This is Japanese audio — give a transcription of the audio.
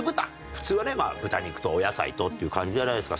普通はね豚肉とお野菜とっていう感じじゃないですか。